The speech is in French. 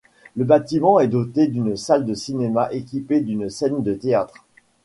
Le bâtiment est doté d'une salle de cinéma équipé d'une scène de théâtre.